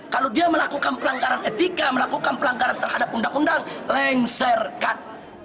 kalau dia melakukan pelanggaran etika melakukan pelanggaran terhadap undang undang lengserkan